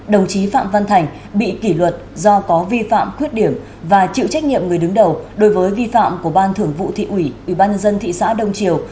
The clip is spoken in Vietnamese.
đồng chí phạm văn thành bị kỷ luật do có vi phạm khuyết điểm và chịu trách nhiệm người đứng đầu đối với vi phạm của ban thưởng vụ thị ủy ủy ban nhân dân thị xã đông triều